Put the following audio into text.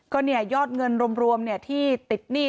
ก็เนี่ยยอดเงินรวมที่ติดหนี้